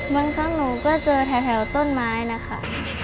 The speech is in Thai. บางครั้งหนูก็เจอแถวต้นไม้นะคะ